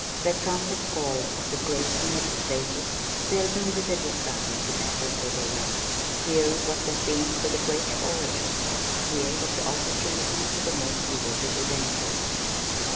The trumpet call of the closing pages filled me with a desire to battle for the right. Here was a theme for the great orator. Here was opportunity for the most devoted evangel.